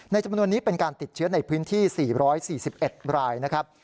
จำนวนนี้เป็นการติดเชื้อในพื้นที่๔๔๑รายนะครับ